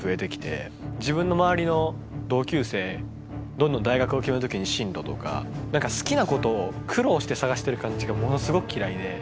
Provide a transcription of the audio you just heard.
自分の周りの同級生どんどん大学を決める時に進路とか何か好きなことを苦労して探してる感じがものすごく嫌いで。